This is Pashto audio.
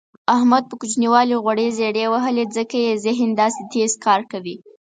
احمد په کوچینوالي غوړې زېړې وهلي ځکه یې ذهن داسې تېز کار کوي.